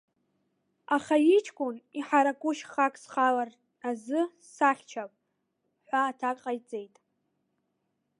Аха, иҷкәын, иҳараку шьхак схалар аӡы сахьчап!- ҳәа аҭак ҟаиҵеит.